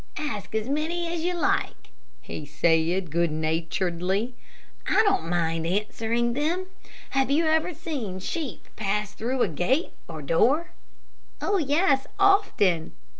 "Ask as many as you like," he said, good naturedly. "I don't mind answering them. Have you ever seen sheep pass through a gate or door?" "Oh, yes, often."